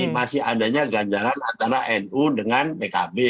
masih adanya ganjalan antara nu dengan pkb